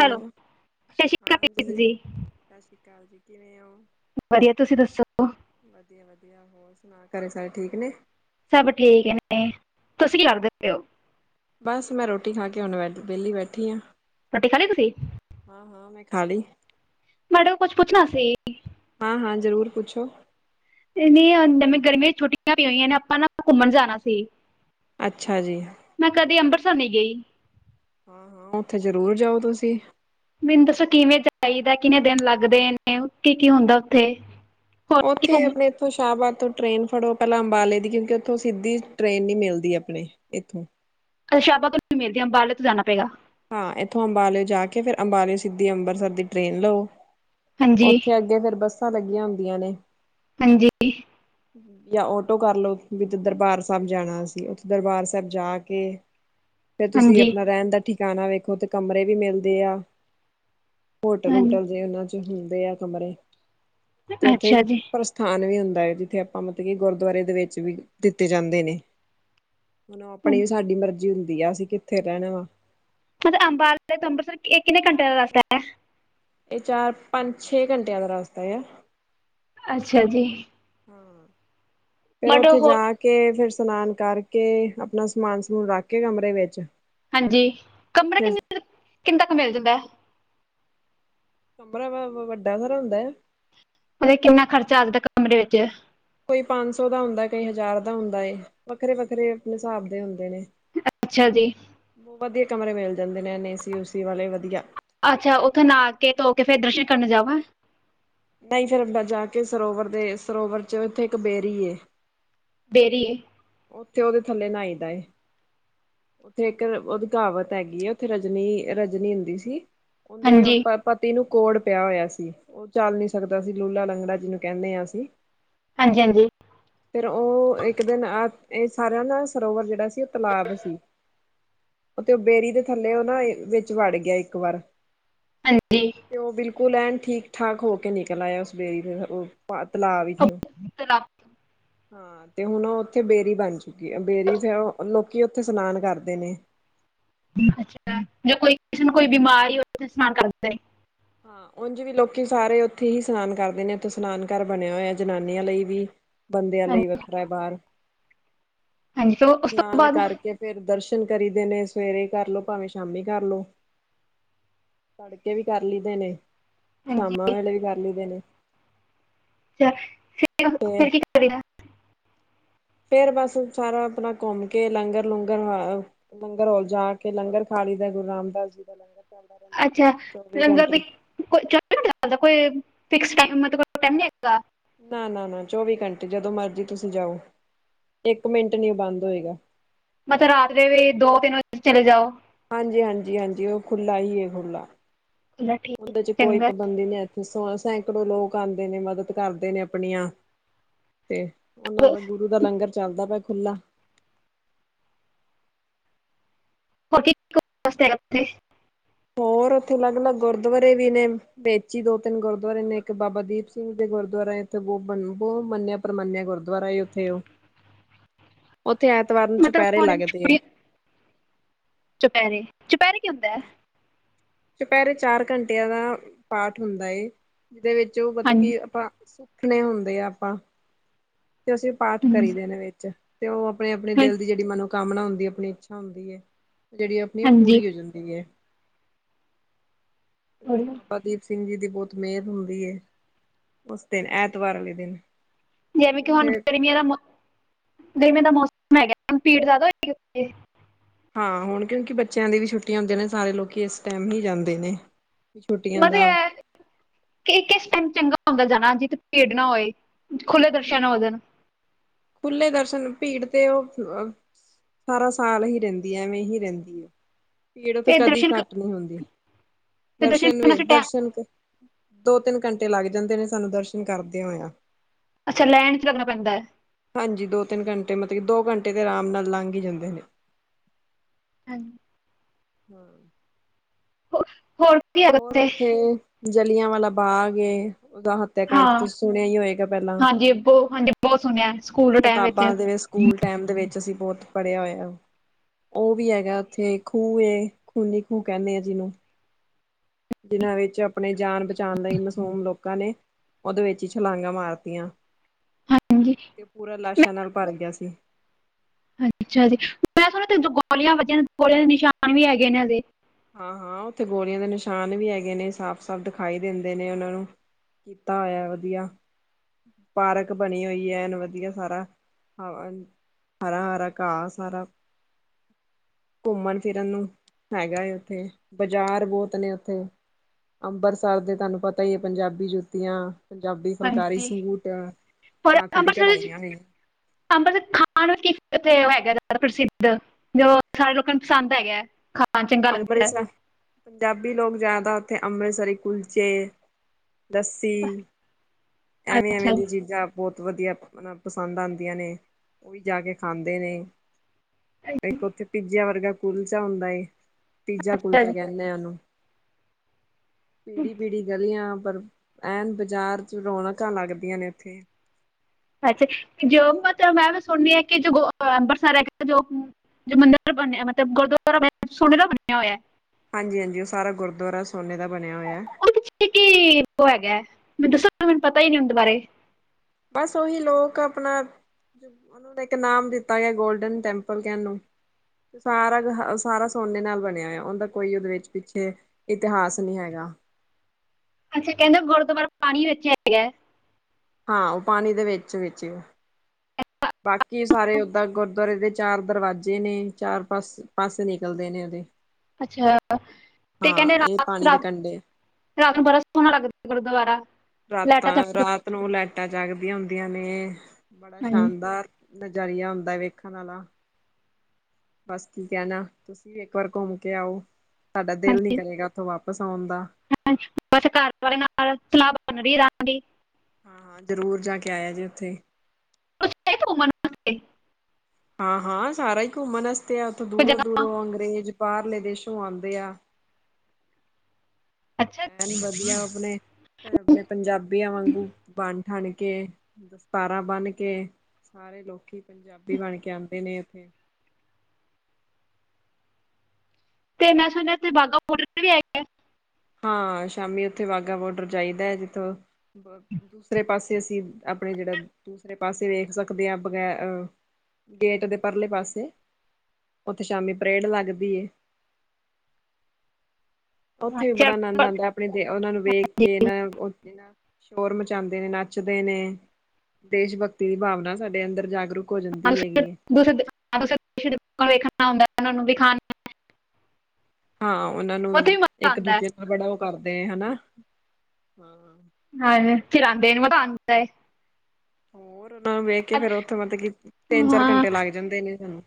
Hello ਹਾਂ ਪ੍ਰੀਤ ਅੰਜਲੀ ਜੀ [unintelligible] ਪਰ ਇਹ ਤੁਸੀਂ ਦੱਸੋ ਕਰ ਸਰ ਠੀਕ ਨੇ ਸਭ ਠੀਕ-ਤੁਸੀਂ ਲੱਗਦੇ ਪਏ ਹੋ ਬਸ ਮੈਂ ਰੋਟੀ ਖਾ ਕੇ ਉਹਨੂੰ ਪਹਿਲੀ ਬੈਠੀ ਆ ਰੋਟੀ ਖਾ ਲਈ ਤੁਸੀਂ [unintelligible] ਖਾ ਲਈ ਮਗਰ ਕੁਝ ਪੁੱਛਣਾ ਸੀ ਹਾਂ ਹਾਂ ਜਰੂਰ ਪੁੱਛੋ ਆਪਾਂ ਨਾ ਘੁੰਮਣ ਜਾਣਾ ਸੀ ਅੱਛਾ ਜੀ ਮੈਂ ਕਦੇ ਅੰਮ੍ਰਿਤਸਰ ਨਹੀਂ ਗਈ ਉਥੇ ਜਰੂਰ ਜਾਓ ਤੁਸੀਂ ਮੈਨੂੰ ਦੱਸੋ ਕਿਵੇਂ ਚਾਹੀਦਾ ਕਿੰਨੇ ਦਿਨ ਲੱਗਦੇ ਨੇ ਕੀ ਕੀ ਹੁੰਦਾ ਉਥੇ ਉਥੇ ਆਪਣੇ ਪੁਸ਼ਾਵਾ ਟਰੇਨ ਫੜੋ ਪਹਿਲਾਂ ਅੰਬਾਲੇ ਦੀ ਕਿਉਂਕਿ ਤੁਸੀਂ ਦੀ ਟ੍ਰੇਨ ਨਹੀਂ ਮਿਲਦੀ ਆਪਣੇ ਇਥੋਂ ਸ਼ਾਬਾਸ ਮਿਲ ਗਿਆ ਬਾਲ ਤੇ ਜਾਣਾ ਪਏਗਾ ਹਾਂ ਇਥੋਂ ਅੰਬਾਲੇ ਜਾ ਕੇ ਫਿਰ ਅੰਬਾਲੇ ਸਿੱਧੀ ਅੰਬਰਸਰ ਦੀ ਟ੍ਰੇਨ ਲਓ ਹਾਂਜੀ ਉਥੇ ਅੱਗੇ ਫਿਰ ਬੱਸਾਂ ਲੱਗੀਆਂ [unintelligible] ਨੇ ਹਾਂਜੀ ਜਾ ਆਟੋ ਕਰ ਲਓ ਵੀ ਜਿੱਧਰ ਬਾਹਰ ਸਭ ਜਾਣਾ ਸੀ ਉਸ ਦਰਬਾਰ ਸਾਹਿਬ ਜਾ ਕੇ ਤੇ ਤੁਸੀਂ ਹਾਂਜੀ ਆਪਣਾ ਰਹਿਣ ਦਾ ਠੀਕ ਨਾ ਵੇਖੋ ਤੇ ਕਮਰੇ ਵੀ ਮਿਲਦੇ ਆ ਹੋਟਲ ਹਾਂਜੀ ਹੋਟਲ ਸੀ ਇਹ ਹੁੰਦੇ ਆ ਕਮਰੇ ਤੇ ਉਥੇ ਅੱਛਾ ਜੀ ਪ੍ਰਸਥਾਨ ਵੀ ਤੇ ਆਪਾਂ ਮਤਲਬ ਕੀ ਗੁਰਦੁਆਰੇ ਦੇ ਵਿੱਚ ਵੀ ਦਿੱਤੇ ਜਾਂਦੇ ਨੇ ਆਪਣੇ ਸਾਡੀ ਮਰਜੀ ਬੀ ਅਸੀਂ ਕਿੱਥੇ ਰਹਿਣਾ ਵਾ [unintelligible] ਅੰਬਾਲਾ ਤੇ ਅੰਮ੍ਰਿਤਸਰ ਤੋਂ ਕਿੰਨੇ ਚਿਰ ਦਾ ਰਸਤਾ ਇਹ ਚਾਰ ਪੰਜ ਛੇ ਘੰਟਿਆਂ ਦਾ ਰਾਸਤਾ ਆ- ਅੱਛਾ ਜੀ। ਫੇਿਰ ਬਟ ਉੱਥੇ ਉਹ ਜਾ ਕੇ ਫਿਰ ਇਸ਼ਨਾਨ ਕਰਕੇ ਆਪਣਾ ਸਮਾਨ ਸਮੂਨ ਰੱਖ ਕੇ ਕਮਰੇ ਵਿੱਚ। ਹਾਂਜੀ ਕਮਰਾ ਫਿਰ ਕਿੰਨੇ ਤ ਕਿੰਨੇ ਤੱਕ ਮਿਲ ਜਾਂਦਾ ਹੈ। ਕਮਰਾ ਵੱਡਾ ਸਾਰਾ ਹੁੰਦਾ ਉਹ ਕਿੰਨਾ ਖਰਚਾ ਅੱਜ ਦਾ ਕਮਰੇ ਵਿੱਚ। ਕੋਈ ਪੰਜ ਸੌ ਦਾ ਹੁੰਦਾ ਕਈ ਹਜ਼ਾਰ ਦਾ ਹੁੰਦਾ ਏ ਵੱਖਰੇ ਵੱਖਰੇ ਆਪਣੇ ਹਿਸਾਬ ਦੇ ਹੁੰਦੇ ਨੇ ਅੱਛਾ ਜੀ ਬਹੁਤ ਵਧੀਆ ਕਮਰੇ ਮਿਲ ਜਾਂਦੇ ਨੇ ਐਨ ਏਸੀ ਉਸੀ ਵਾਲੇ ਵਧੀਆ। ਅੱਛਾ ਉੱਥੇ ਨਾਹਾ ਕੇ ਧੋ ਕੇ ਫੇਿਰ ਦਰਸ਼ਨ ਕਰਨ ਜਾਵ। ਨਹੀਂ ਫੇਿਰ ਅੰਡ ਜਾ ਕੇ ਸਰੋਵਰ ਦੇ ਸਰੋਵਰ ਚ ਇੱਥੇ ਇੱਕ ਬੇਰੀ ਬੇਰੀਏ ਉੱਥੇ ਉਹਦੇ ਥੱਲੇ ਨਹਾਈ ਦਾ ਉੱਥੇ ਇੱਕ ਉਹਦੀ ਕਾਵਤ ਹੈਗੀ। ਉੱਥੇ ਰਜਨੀ, ਰਜਨੀ ਹੁੰਦੀ ਸੀ। ਉਹਦੇ ਹਾਂਜੀ ਪਤੀ ਨੂੰ ਕੋੜ ਪਿਆ ਹੋਇਆ ਸੀ ਉਹ ਚੱਲ ਨੀ ਸਕਦਾ ਸੀ ਲੂਲਾ ਲੰਗੜਾ ਜਿਹਨੂੰ ਕਹਿੰਦੇ ਹਾਂ ਅਸੀਂ। ਹਾਂਜੀ ਹਾਂਜੀ ਫਿਰ ਉਹ ਇੱਕ ਦਿਨ ਇਹ ਸਾਰਿਆਂ ਦਾ ਸਰੋਵਰ ਜਿਹੜਾ ਸੀ ਉਹ ਤਲਾਬ ਸੀ ਤੇ ਉਹ ਬੇਰੀ ਦੇ ਥੱਲੇ ਉਹ ਨਾ ਵਿੱਚ ਵੜ ਗਿਆ ਇੱਕ ਵਾਰ ਹਾਂਜੀ। ਕੋ ਲੈਣ ਠੀਕ, ਠਾਕ ਹੋ ਕੇ ਨਿਕਲ ਆਇਆ ਉਸ ਬੇਰੀ ਉਹ ਤਲਾਅ ਉਹ ਵਿੱਚੋਂ। ਤਲਾਬ ਤੋਂ। ਹਾਂ ਤੇ ਹੁਣ ਉੱਥੇ ਬੇਰੀ ਬਣ ਚੁੱਕੀ ਬੇਰੀ ਫੇਿਰ ਲੋਕੀ ਉੱਥੇ ਸਸ਼ਨਾਨ ਕਰਦੇ ਨੇ। ਅੱਛਾ ਜਾਂ ਕੋਈ ਕਿਸੇ ਨੂੰ ਕੋਈ ਬਿਮਾਰ ਹੀ ਹੋਥੇ ਇਸ਼ਨਾਨ ਕਰਦਾ। ਹਾਂ ਉਂਝ ਵੀ ਲੋਕੀ ਸਾਰੇ ਉੱਥੇ ਹੀ ਇਸ਼ਨਾਨ ਕਰਦੇ ਨੇ ਉੱਥੇ ਸਸ਼ਨਾਨ ਘਰ ਬਣਿਆ ਹੋਇਆ ਜਨਾਨੀਆਂ ਲਈ ਵੀ ਬੰਦਿਆਂ ਹਾਂਜੀ ਲਈ ਵੱਖਰਾ ਬਾਹਰ। ਹਾਂਜੀ। ਫਿਰ ਉਸ ਤੋਂ ਬਾਅਦ ਦਸ਼ਨ ਕਰੀ ਦੇ ਨੇ ਸਵੇਰੇ ਕਰ ਲਓ ਭਾਵੇਂ ਸ਼ਾਮੀ ਕਰਲਓ ਤੜਕੇ ਵੀ ਕਰ ਲਈਦੇ ਨੇ। ਹਾਂਜੀ ਸ਼ਾਮਾਂ ਵੇਲੇ ਵੀ ਕਰ ਲਈਦੇ ਨੇ। [unintelligible] ਤੇ ਫਿਰ ਕੀ ਕਰੀ ਫੇਰ ਬਸ ਸਾਰਾ ਆਪਣਾ ਘੁੰਮ ਕੇ ਲੰਗਰ, ਲੂੰਗਰ ਲੰਗਰਲ ਜਾ ਕੇ ਲੰਗਰ ਖੀ ਦਾ ਗੁਰੂ ਰਾਮਦਾਸ ਜੀ ਦਾ ਲੰਗਰ ਚੱਲਦਾ ਰਹਿੰਦਾ ਅੱਛਾ ਚੌਵੀ ਲੰਗਰ ਦੇ ਘੰਟੇ ਚ ਮਤਲਬ ਕੋਈ--ਫਿਕਸ ਟਮ ਮਤਲਬ ਕੋਈ ਟਾਈਮ ਨਹੀਂ ਹੈਏਗਾ। ਨਾ, ਨਾ, ਨਾ। ਚੌਵੀ ਘੰਟੇ ਜਦੋਂ ਮਰਜ਼ੀ ਤੁਸੀਂ ਜਾਓ ਇੱਕ ਮਿੰਟ ਨੀ ਉਹ ਬੰਦ ਹੋਏਗਾ। ਮਤਲਬ ਰਾਤ ਦੇ ਵੀ ਦੋ, ਤਿੰਨ ਵਜੇ ਚਲੇ ਜਾਓ। ਹਾਂਜੀ, ਹਾਂਜੀ, ਹਾਂਜੀ। ਉਹ ਖੁੱਲਾ ਹੀ ਖੁਲਾ। ਚਲੋ ਠੀਕ ਉਹਦੇ ਚ ਕੋਈ ਚੰਗਾ ਪਾਬੰਦੀ ਨਹੀਂ ਇੱਥੇ। ਸੈਂਕੜੋ ਲੋਕ ਆਉਂਦੇ ਨੇ ਮਦਦ ਕਰਦੇ ਨੇ ਆਪਣੀਆਂ। ਤੇ ਉਹਨਾਂ ਦਾ ਗੁਰੂ ਦਾ ਲੰਗਰ ਚੱਲਦਾ ਪਿਆ, ਖੁਲਾ [inaudible] ਉਥੇ ਹੋਰ ਉੱਥੇ ਅਲੱਗ-ਅਲੱਗ ਗੁਰਦੁਆਰੇ ਵੀ ਨੇ ਵਿੱਚ ਹੀ ਦੋ ਤਿੰਨ ਗੁਰਦੁਆਰੇ ਨੇ ਇੱਕ ਬਾਬਾ ਦੀਪ ਸਿੰਘ ਦੇ ਗੁਰਦੁਆਰਾ ਐ। ਉਥੇ ਬਹੁ ਬਹੁਤ ਮੰਨਿਆ ਪ੍ਰਮੰਨਿਆ ਗੁਰਦੁਆਰਾ ਐ ਉੱਥੇ ਉਹ। ਉੱਥੇ ਐਤਵਾਰ ਨੂੰ ਮਤਲਬ ਚੁਪਹਿਰੇ ਉਹ ਲੱਗਦੇ ਆ ਛੁੱਟੀ ਚੁਪਹਿਰੇ ਚੁਪਹਿਰੇ ਕੀ ਹੁੰਦਾ ਐ? ਚੁਪਹਿਰੇ ਚਾਰ ਘੰਟਿਆਂ ਦਾ ਪਾਠ ਹੁੰਦਾ ਐ। ਜਿਹਦੇ ਵਿੱਚ ਉਹ ਮਤਲਬ ਹਾਂਜੀ ਕਿ ਆਪਾਂ ਰੱਖਣੇ ਹੁੰਦੇ ਆ ਆਪਾਂ। ਤੇ ਅਸੀਂ ਪਾਠ ਕਰੀ ਹਾਂਜੀ, ਦੇ ਨੇ ਵਿੱਚ। ਤੇ ਉਹ ਆਪਣੇ-ਆਪਣੇ ਹਾਂ- ਦਿਲ ਦੀ ਜਿਹੜੀ ਮਨੋ ਕਾਮਨਾ ਹੁੰਦੀ ਐ ਆਪਣੀ ਇੱਛਾ ਹੁੰਦੀ ਐ। ਜਿਹੜੀ ਆਪਣੀ ਹਾਂਜੀ ਪੂਰੀ ਹੋ ਜਾਂਦੀ ਐ। ਤੇ ਉੱਥੇ ਬਾਬਾ ਦੀਪ ਸਿੰਘ ਜੀ ਦੀ ਬਹੁਤ ਮਿਹਰ ਹੁੰਦੀ ਐ, ਉਸ ਦਿਨ ਐਤਵਾਰ ਵਾਲੇ ਦਿਨ। ਜਿਵੇਂ ਕਿ ਹੁਣ ਉੱਥੇ ਗਰਮੀਆਂ ਦਾ ਗਰਮੀਆਂ ਦਾ ਮੌਸਮ ਮੈਂ ਕਿਹਾ ਭੀੜ ਜ਼ਿਆਦਾ ਹੋਏਗੀ ਉੱਥੇ? ਹਾਂ ਹੁਣ ਕਿਉਂਕਿ ਬੱਚਿਆਂ ਦੀ ਵੀ ਛੁੱਟੀਆਂ ਹੁੰਦੀਆਂ ਨੇ। ਸਾਰੇ ਲੋਕੀ ਇਸ ਟਾਈਮ ਹੀ ਜਾਂਦੇ ਨੇ। ਛੁੱਟੀਆਂ ਮਤਲਬ ਦਾ ਹੈ ਕਿ ਕਿਸ ਟਾਈਮ ਚੰਗਾ ਹੁੰਦਾ ਜਾਣਾ ਜਿੱਥੇ ਭੀੜ ਨਾ ਹੋਏ ਖੁੱਲ੍ਹੇ ਦਰਸ਼ਨ ਹੋ ਜਾਣ। ਖੁੱਲ੍ਹੇ ਦਰਸ਼ਨ ਭੀੜ ਤੇ ਉਹ ਸਾਰਾ ਸਾਲ ਹੀ ਰਹਿੰਦੀ ਹੈ, ਐਵੇਂ ਹੀ ਰਹਿੰਦੀ ਹੈ। ਭੀੜ ਉੱਥੇ ਤੇ ਕਦੀ ਦਰਸ਼ਨ ਕ- ਘੱਟ ਨਹੀਂ ਹੁੰਦੀ ਤੇ ਦਰਸ਼ਨ ਕਰਨ ਵਾਸਤੇ ਟਾਈਮ ਦਰਸ਼ਨ ਦੋ ਤਿੰਨ ਘੰਟੇ ਲੱਗ ਜਾਂਦੇ ਨੇ ਸਾਨੂੰ ਦਰਸ਼ਨ ਕਰਦੇ ਹੋਇਆ। ਅੱਛਾ ਲੈਣ ਚ ਲੱਗਣਾ ਪੈਂਦਾ ਐ। ਹਾਂਜੀ ਦੋ ਤਿੰਨ ਘੰਟੇ ਮਤਲਬ ਕਿ ਦੋ ਘੰਟੇ ਤੇ ਆਰਾਮ ਨਾਲ ਲੰਘ ਹੀ ਜਾਂਦੇ ਨੇ। ਹਾਂਜੀ। ਹੂੰ, ਹੋਰ ਕੀ [unintelligible] ਜਲ੍ਹਿਆਂ ਵਾਲਾ ਬਾਗ ਏ। ਉਹਦਾ ਹੱਤਿਆਕਾਂਡ ਤੇ ਹਾਂ ਤੁਸੀਂ ਸੁਣਿਆ ਹੀ ਹੋਏਗਾ ਪਹਿਲਾਂ ਹਾਂਜੀ ਬਹੁਤ ਹਾਂਜੀ ਬਹੁਤ ਸੁਣਿਆ ਹੈ ਸਕੂਲ ਦੇ ਟਾਈਮ ਵਿੱਚ ਕਿਤਾਬਾਂ ਦੇ ਸਕੂਲ ਟਾਈਮ ਦੇ ਵਿੱਚ ਅਸੀਂ ਬਹੁਤ ਪੜਿਆ ਹੋਇਆ। ਉਹ ਵੀ ਹੈਗਾ ਉੱਥੇ ਖੂਹ ਐ, ਖੂਨੀ ਖੂਹ ਕਹਿੰਦੇ ਆ ਜਿਹਨੂੰ। ਜਿਨਾਂ ਵਿੱਚ ਆਪਣੇ ਜਾਨ ਬਚਾਉਣ ਲਈ ਮਾਸੂਮ ਲੋਕਾਂ ਨੇ ਉਹਦੇ ਵਿੱਚ ਹੀ ਛਲਾਂਘਾਂ ਮਾਰਤੀਆਂ। ਤੇ ਪੂਰਾ ਹਾਂਜੀ-ਹਾਂਜੀ ਲਾਸ਼ਾਂ ਨਾਲ ਭਰ ਗਿਆ ਸੀ ਅੱਛਾ ਜੀ ਮੈਂ ਸੁਣਿਆ ਗੋਲੀਆਂ ਵੱਜੀਆਂ ਗੋਲੀਆਂ ਦੇ ਨਿਸ਼ਾਨ ਵੀ ਹੈਗੇ ਨੇ ਅਜੇ। ਹਾਂ ਹਾਂ, ਉੱਥੇ ਗੋਲੀਆਂ ਦੇ ਨਿਸ਼ਾਨ ਵੀ ਹੈਗੇ ਨੇ ਸਾਫ਼-ਸਾਫ਼ ਦਿਖਾਈ ਦਿੰਦੇ ਨੇ ਉਹਨਾਂ ਨੂੰ ਕੀਤਾ ਹੋਇਆ ਵਧੀਆ ਪਾਰਕ ਬਣੀ ਹੋਈ ਹੈ ਨਾ। ਵਧੀਆ ਸਾਰਾ ਹਰਾ-ਹਰਾ ਘਾਹ ਸਾਰਾ ਘੁੰਮਣ ਫਿਰਨ ਨੂੰ ਹੈਗਾ ਹੈ। ਤੇ ਬਾਜ਼ਾਰ ਬਹੁਤ ਨੇ ਉੱਥੇ। ਅੰਬਰਸਰ ਦੇ ਤੁਹਾਨੂੰ ਪਤਾ ਹੀ ਹੈ ਪੰਜਾਬੀ ਜੁੱਤੀਆਂ ਪੰਜਾਬੀ ਫੁਲਕਾਰੀ ਹਾਂਜੀ। ਸੂਟ ਹੋਰ ਹੱਥ ਦੀ ਅੰਬਰਸਰ, ਕਢਾਈਆਂ ਨੇ ਅੰਬਰਸਰ ਖਾਣ ਜ਼ਿਆਦਾ ਪ੍ਰਸਿੱਧ ਜੋ ਸਾਰੇ ਲੋਕਾਂ ਨੂੰ ਪਸੰਦ ਹੈਗਾ ਹੈ। ਖਾਣ ਚੰਗਾ ਲੱਗਦਾ ਅੰਮ੍ਰਿਤਸਰ ਪੰਜਾਬੀ ਲੋਕ ਜ਼ਿਆਦਾ ਇੱਥੇ ਅੰਮ੍ਰਿਤਸਰੀ ਕੁਲਚੇ ਲੱਸੀ, ਐਵੇਂ ਅੱਛਾ ਐਵੇਂ ਜੀ, ਦੀਆਂ ਚੀਜ਼ਾਂ ਬਹੁਤ ਵਧੀਆ ਮੈਂ, ਪਸੰਦ ਆਉਂਦੀਆਂ ਨੇ ਉਹ ਵੀ ਜਾ ਕੇ ਖਾਂਦੇ ਨੇ, ਇੱਕ ਉੱਥੇ ਪੀਜ਼ਿਆ ਵਰਗਾ ਕੁਲਚਾ ਹੁੰਦਾ ਏ। ਪੀਜ਼ਾ ਅੱਛਾ ਕੁਲਚਾ ਜੀ ਕਹਿੰਦੇ ਆ ਉਹਨੂੰ। ਹਮ, ਪੀੜੀ ਪੀੜੀ ਗਲੀਆਂ ਪਰ ਐਨ ਬਾਜ਼ਾਰ ਚ ਰੌਣਕਾਂ ਲੱਗਦੀਆਂ ਨੇ ਉੱਥੇ। ਅੱਛਾ ਜੋ ਮਤਲਬ ਮੈਂ ਵੀ ਸੁਣਨੀ ਹਾਂ ਕਿ ਜੋ ਅੰਮ੍ਰਿਤਸਰ ਹੈਗਾ ਜੋ ਮੰਦਿਰ ਬਣਿਆ ਮਤਲਬ ਗੁਰਦੁਆਰਾ ਸੋਨੇ ਦਾ ਬਣਿਆ ਹੋਇਆ। ਹਾਂਜੀ। ਹਾਂਜੀ। ਉਹ ਸਾਰਾ ਗੁਰਦੁਆਰਾ ਸੋਨੇ ਦਾ ਬਣਿਆ ਹੋਇਆ। ਉਹਦੇ ਪਿੱਛੇ ਕੀ ਉਹ ਹੈਗਾ ਮੈਨੂੰ ਦੱਸੋ। ਮੈਨੂੰ ਪਤਾ ਹੀ ਨੀ ਉਹਦੇ ਬਾਰੇ। ਬਸ ਉਹੀ ਲੋਕ ਆਪਣਾ ਉਹਨਾਂ ਦਾ ਇੱਕ ਨਾਮ ਦਿੱਤਾ ਗਿਆ ਗੋਲਡਨ ਟੈਂਪਲ ਕਹਿਨ ਨੂੰ ਸਾਰਾ ਸਾਰਾ ਸੋਨੇ ਨਾਲ ਬਣਿਆ ਹੋਇਆ ਉਹਦਾ ਕੋਈ ਉਹਦੇ ਵਿੱਚ ਪਿੱਛੇ ਇਤਿਹਾਸ ਨਹੀਂ ਹੈਗਾ। ਅੱਛਾ। ਕਹਿੰਦੇ ਗੁਰ ਤੋਂ ਵਾਰ ਪਾਣੀ ਵਿੱਚ ਹੈਗਾ। ਹਾਂ ਉਹ ਪਾਣੀ ਦੇ ਵਿੱਚ- ਵਿੱਚ ਐ। ਬਾਕੀ ਸਾਰੇ ਓਦਾਂ ਗੁਰਦੁਆਰੇ ਦੇ ਚਾਰ ਦਰਵਾਜ਼ੇ ਨੇ ਚਾਰ ਪਾਸ, ਪਾਸੇ ਨਿਕਲਦੇ ਨੇ ਉਹਦੇ ਅੱਛਾ ਤੇ ਹਾਂ ਕਹਿੰਦੇ ਇਹ ਰਾਤ, ਪਾਣੀ ਦੇ ਰਾਤ ਕੰਢੇ ਰਾਤ ਨੂੰ ਬੜਾ ਸੋਹਣਾ ਲੱਗਦਾ ਗੁਰਦੁਆਰਾ। ਲਾਈਟਾਂ ਰਾਤਾਂ ਚਮਕ ਰਾਤ ਨੂੰ ਲੈਟਾਂ ਜਾਗਦੀਆਂ ਹੁੰਦੀਆਂ। ਨੇ। ਬੜਾ ਹਾਂਜੀ ਸ਼ਾਨਦਾਰ ਲ ਜ਼ਰੀਆ ਹੁੰਦਾ ਵੇਖਣ ਵਾਲਾ ਬਸ ਕੀ ਕਹਿਣਾ। ਤੁਸੀਂ ਵੀ ਇੱਕ ਵਾਰ ਘੁੰਮ ਕੇ ਆਓ। ਤੁਹਾਡਾ ਦਿਲ ਨੀ ਹਾਂਜੀ ਕਰੇਗਾ, ਉੱਥੋਂ ਵਾਪਿਸ ਆਉਣ ਦਾ। ਹਾਂਜੀ। ਬਸ ਘਰ ਵਾਲੇ ਨਾਲ [inaudible] ਹਾਂ ਹਾਂ ਜ਼ਰੂਰ ਜਾ ਕੇ ਆਇਆ ਜੇ ਉੱਥੇ। ਕੁਛ ਹੈ ਘੁਮਾਣ ਵਾਸਤੇ? ਹਾਂ ਹਾਂ ਸਾਰਾ ਹੀ ਘੁੰਮਣ ਵਾਸਤੇ ਤੇ ਕੋਈ ਦੂਰੋਂ ਜਗ੍ਹਾ ਦੂਰੋਂ ਅੰਗਰੇਜ਼ ਬਾਹਰਲੇ ਦੇਸ਼ੋਂ ਆਉਂਦੇ ਆ। ਅੱਛਾ ਐ ਨੀ ਵਧੀਆ ਆਪਣੇ ਆਪਣੇ ਪੰਜਾਬੀਆਂ ਵਾਂਗੂ ਬਣ ਠਣ ਕੇ ਦਸਤਾਰਾਂ ਬੰਨ੍ਹ ਕੇ ਸਾਰੇ ਲੋਕੀ ਪੰਜਾਬੀ ਬਣ ਕੇ ਆਉਂਦੇ ਨੇ ਉੱਥੇ। ਤੇ ਮੈਂ ਸੁਣਿਆ ਸੀ ਬਾਘਾ ਬੋਡਰ ਤੇ ਵੀ ਹੈਗਾ? ਹਾਂ ਸ਼ਾਮੀ ਉੱਥੇ ਵਾਹਗਾ ਬੋਡਰ ਜਾਹੀਦਾ ਹੈ ਜਿੱਥੋਂ ਦੂਸਰੇ ਪਾਸੇ ਅਸੀਂ ਆਪਣੇ ਜਿਹੜਾ ਦੂਸਰੇ ਪਾਸੇ ਵੇਖ ਸਕਦੇ ਹਾਂ ਬਗੈ ਅਹ ਗੇਟ ਦੇ ਪਰਲੇ ਪਾਸੇ ਉੱਥੇ ਸ਼ਾਮੀ ਪਰੇਡ ਲੱਗਦੀ ਹੈ ਹਾਂ, ਉੱਥੇ ਬੜਾ ਚੜ੍ਹ- ਆਨੰਦ ਆਉਂਦਾ ਆਪਣੇ ਦੇ ਉਹਨਾਂ ਨੂੰ ਵੇਖ ਕੇ ਇਹ ਸ਼ੋਰ ਮਚਾਉਂਦੇ ਨੇ ਨੱਚਦੇ ਨੇ ਦੇਸ਼ ਭਗਤੀ ਦੀ ਭਾਵਨਾ ਸਾਡੇ ਅੰਦਰ ਜਾਗਰੂਕ, ਹੋ ਜਾਂਦੀ [unintelligible] ਹੁੰਦਾ ਹੈਗੀ ਹੈ, ਉਹ ਨੂੰ ਵੀ ਖਾਣਾ ਹਾਂ ਉਹਨਾਂ ਨੂੰ ਉੱਥੇ ਮਜ਼ਾ ਇੱਕ ਆਉਂਦਾ ਹੈ ਦੂਜੇ ਨਾਲ ਬੜਾ ਕਰਦੇ ਹਨਾ ਹਾਂ ਹਾਂ ਹਾਂ ਫਿਰ ਆਉਂਦੇ ਮਜਾ ਤਾਂ ਆਉਂਦਾ ਏ। ਹੋਰ ਉਹ ਨੂੰ ਵੇਖ ਕੇ ਫੇਰ ਉੱਥੇ ਮਤਲਬ ਕਿ ਤਿੰਨ ਚਾਰ ਹਾਂ ਘੰਟੇ ਲੱਗ ਜਾਂਦੇ ਨੇ ਸਾਨੂੰ।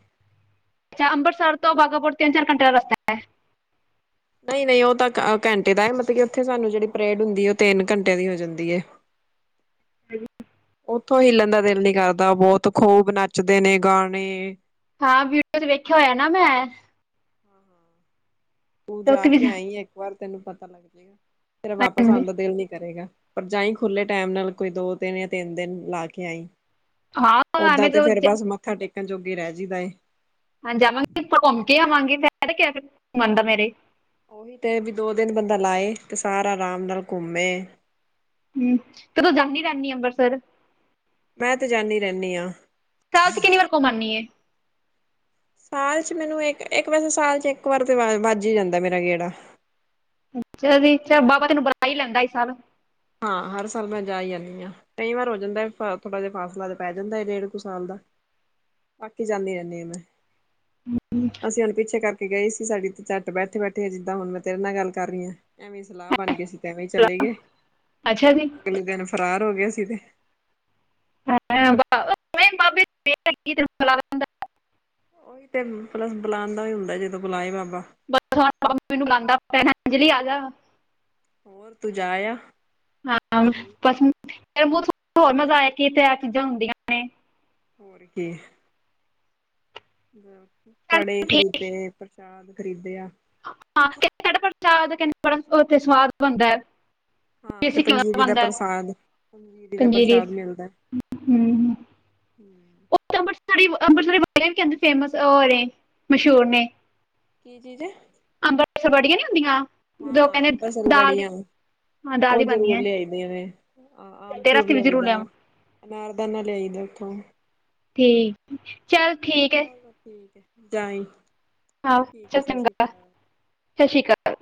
ਅੱਛਾ ਅੰਮ੍ਰਿਤਸਰ ਤੋਂ ਬਾਗਾਪੁਰ ਤਿੰਨ ਚਾਰ ਘੰਟੇ ਦਾ ਰਸਤਾ ਹੈ। ਨਹੀਂ ਨਹੀਂ ਉਹ ਤਾਂ ਘੰਟੇ ਦਾ ਮਤਲਬ ਕਿ ਉੱਥੇ ਸਾਨੂੰ ਜਿਹੜੀ ਪਰੇਡ ਹੁੰਦੀ ਉਹ ਤਿੰਨ ਘੰਟਿਆਂ ਦੀ ਹੋ ਜਾਂਦੀ ਹੈ। ੳਥੋ ਹੀਲਣ ਦਾ ਦਿਲ ਨੀ ਕਰਦਾ ਬਹੁਤ ਖੂਬ ਨੱਚਦੇ ਨੇ ਗਾਣੇ ਹਾਂ ਵੀਡੀਓ ਚ ਵੇਖਿਆ ਹੋਇਆ ਨਾ ਮੈਂ। ਹਾਂ ਹਾਂ ਤੂੰ ਤੇ ਜਾ ਉੱਥੇ ਵੀ ਕੇ ਹਾਂਜੀ ਆਈ ਆ ਇੱਕ ਵਾਰ, ਤੈਨੂੰ ਪਤਾ ਲੱਗ ਜਏਗਾ। ਫੇਰ ਵਾਪਸ ਆਉਣ ਦਾ ਹਾਂ ਦਿਲ ਨੀ ਕਰੇਗਾ। ਪਰ ਜਾਈ ਖੁੱਲੇ ਟਾਈਮ ਨਾਲ ਕੋਈ ਦੋ ਦਿਨ ਜਾਂ ਤਿੰਨ ਦਿਨ ਲਾ ਕੇ ਆਈ। ਹਾਂਂ ਤਾਂੲ [unintelligible] ਹਾਂ ਭਰਾ ਦੀ ਦੋਸਤ ਨੇ ਤਰਸਣ ਜੋਗੇ ਰਹਿ ਜਈਦਾ ਹੈ ਹਾਂ ਜਾ ਆਵਾਂਗੇ ਘੁੰਮ ਕੇ ਆਵਾਂਗੇ ਫਿਰ ਮੰਨਦਾ ਮੇਰੇ। ਉਹੀ ਤੇ ਵੀ ਦੋ ਦਿਨ ਬੰਦਾ ਲਾਏ ਤੇ ਸਾਰਾ ਆਰਾਮ ਨਾਲ ਘੁੰਮੇ, ਹਮ ਤੇ ਤੂੰ ਜਾਂਦੀ ਰਹਨੀ ਹੇ ਅੰਮਬਰਸਰ। ਮੈਂ ਤੇ ਜਾਂਦੀ ਰਹਿੰਦੀ ਹਾਂ ਸਾਲ ਚ ਕਿੰਨੀ ਵਾਰ ਕੁਮ ਆਨੀ ਹੈ। ਸਾਲ ਚ ਮੈਨੂੰ ਇੱਕ ਇੱਕ ਵੈਸੇ ਸਾਲ ਚ ਇੱਕ ਵਾਰ ਤੇ ਵ ਵਾਜੀ ਹੀ ਜਾਂਦਾ ਮੇਰਾ ਗੇੜਾ। ਅੱਛਾ ਜੀ ਅਛਾ ਬਾਬਾ ਤੈਨੂੰ ਬੁਲਾ ਹੀ ਲੈਂਦਾ ਹਰ ਸਾਲ। ਹਾਂ ਹਰ ਸਾਲ ਮੈਂ ਜਾ ਹੀ ਆਨੀ ਆ, ਕਈ ਵਾਰ ਹੋ ਜਾਂਦਾ ਥੋੜ੍ਹਾ ਜਿਹਾ ਫਾਸਲਾ ਤੇ ਪੈ ਜਾਂਦਾ ਏ, ਡੇਢ ਕੁ ਸਾਲ ਦਾ ਬਾਕੀ ਜਾਂਦੀ ਰਹਨੀ ਹਾਂ ਮੈਂ। ਅਸੀਂ ਹੁਣ ਪਿੱਛੇ ਕਰ ਗਈ ਸੀ ਸਾਡੀ ਤੇ ਝੱਟ ਬੈਠੇ ਬੈਠੇ ਜਿੱਦਾਂ ਹੁਣ ਮੈਂ ਤੇਰੇ ਨਾਲ ਗੱਲ ਕਰ ਰਹੀ ਹਾਂ, ਐਵੇਂ ਸਲਾਹ ਬਣ ਗਏ ਸੀ ਤੇ ਐਵੇਂ ਹੀ ਚਲੇ ਗਏ। ਅੱਛਾ ਜੀ ਅਗਲੇ ਦਿਨ ਫਰਾਰ ਹੋ ਗਏ। ਕਿਤੇ [unintelligible] [unintelligible] ਉਹੀ ਤੇ ਪਲੱਸ ਬੁਲਾਉਣ ਦਾ ਹੁੰਦਾ ਜਦੋਂ ਬੁਲਾਏ ਬਾਬਾ। ਪੈੰਜੀ ਆ ਜਾ। ਹੋਰ ਤੂੰ ਜਾਇਆ ਹਾਂ ਬਸ ਏ ਮੋਸਮ ਹੋਰ ਮਜ਼ਾ ਆਇਆ ਕਿ ਇਥੇ ਏ ਚੀਜ਼ਾਂ ਹੁੰਦੀਆਂ ਨੇ। ਹੋਰ ਕੀ ਚੱਲ ਕੜੇ ਖਰੀਦੇ, ਪ੍ਰਸ਼ਾਦ ਖਰੀਦੇ ਆ ਹਾ ਕੜਾਹ ਪ੍ਰਸ਼ਾਦ ਕਹਿੰਦੇ ਬੜਾ ਸਵਾਦ ਬਣਦਾ ਹੈ। ਹਾਂ ਤੇ ਦੇਸੀ ਕਿਉਂ ਪੰਜੀਰੀ ਦਾ ਬਣਦਾ ਹੈ ਪ੍ਰਸ਼ਾਦ ਪੰਜੀਰੀ ਦਾ ਪ੍ਰਸ਼ਾਦ ਮਿਲਦਾ, ਸਾਡੇ ਕਹਿੰਦੇ ਨੇ ਕਿ ਅੰਮ੍ਰਿਤਸਰ ਦੀਆਂ ਬੜੀਆਂ ਬਹੁਤ ਮਸ਼ਹੂਰ ਨੇ ਕੀ ਚੀਜ਼ ਅੰਮ੍ਰਿਤਸਰ ਦੀਆਂ ਬੜੀਆਂ ਨੀ ਹੁੰਦੀਆਂ। ਜੋ ਹਾਂ ਕਹਿੰਦੇ ਅੰਮ੍ਰਿਤਸਰ ਦੀਆਂ ਦਾਲ ਦੀ ਬੜੀਆਂ ਹਾਂ ਦਾਲ ਉਹ ਦੀ ਜ਼ਰੂਰ ਬਣਦੀਆਂ ਲਿਆਈ ਦੇਆਂ ਨੇ ਤੇਰਾ ਆਮਚੂਰ ਰਸਤੇ ਵੀ ਲਿਆਈ ਜ਼ਰੂਰ ਦਾ ਲਿਆਵਾਂ ਅਨਾਰਦਾਨਾ ਲਿਆਈ ਦਾ ਉੱਥੋਂ ਠੀਕ, ਚਲ ਠੀਕ ਚਲੋ ਠੀਕ ਹੈ। ਜਾਏ, ਹਾ ਚੰਗਾ ਸਤਿ ਸ੍ਰੀ ਅਕਾਲ,